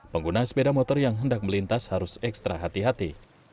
pengguna sepeda motor yang hendak melintas harus ekstra hati hati